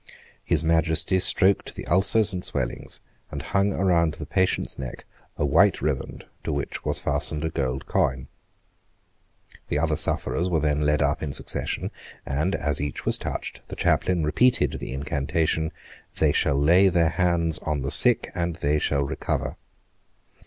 His Majesty stroked the ulcers and swellings, and hung round the patient's neck a white riband to which was fastened a gold coin. The other sufferers were then led up in succession; and, as each was touched, the chaplain repeated the incantation, "they shall lay their hands on the sick, and they shall recover."